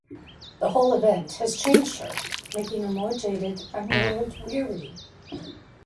The whole event has changed her, making her more jaded and world weary.